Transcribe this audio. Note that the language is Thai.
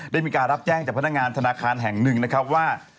ได้รับแจ้งจากพนักงานธนาคารแห่งหนึ่งนะครับว่า